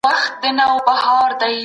خپل ورېښتان په تېلو غوړ ساتئ.